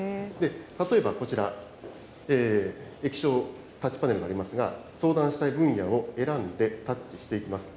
例えばこちら、液晶タッチパネルがありますが、相談したい分野を選んでタッチしていきます。